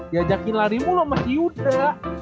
diajakin lari mulu sama si yuda